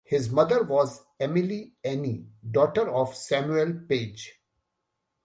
His mother was Emily Annie, daughter of Samuel Page.